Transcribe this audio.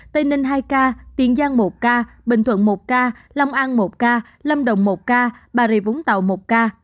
tây ninh hai ca tiền giang một ca bình thuận một ca long an một ca lâm đồng một ca bà rịa vũng tàu một ca